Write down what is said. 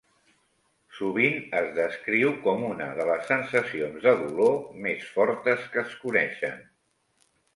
Sovint es descriu com una de les sensacions de dolor més fortes que es coneixen.